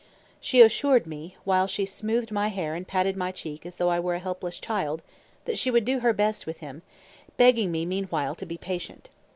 She assured me, while she smoothed my hair and patted my cheek as though I were a helpless child, that she would do her best with him, begging me meanwhile to be patient.